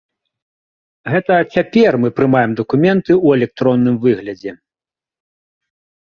Гэта цяпер мы прымаем дакументы ў электронным выглядзе.